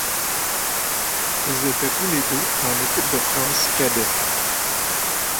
Ils étaient tous les deux en équipe de France cadets.